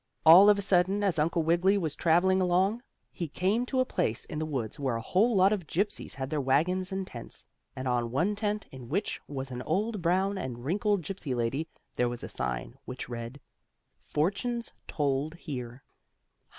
All of a sudden, as Uncle Wiggily was traveling along, he came to a place in the woods where a whole lot of Gypsies had their wagons and tents. And on one tent, in which was an old brown and wrinkled Gypsy lady, there was a sign which read: FORTUNES TOLD HERE.